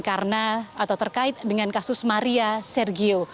karena atau terkait dengan kasus maria sergio